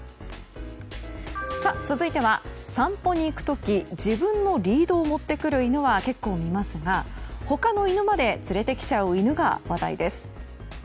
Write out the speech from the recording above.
続いては、散歩に行く時自分のリードを持ってくる犬は結構いますが他の犬まで連れてきちゃう犬が話題です。